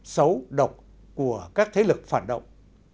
xấu độc của các thế lực phản động